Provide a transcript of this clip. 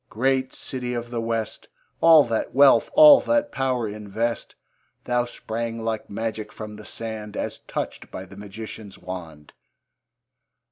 great city of the West! All that wealth, all that power invest; Thou sprang like magic from the sand, As touched by the magician's wand.